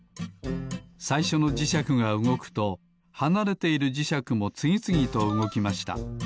さいしょのじしゃくがうごくとはなれているじしゃくもつぎつぎとうごきました。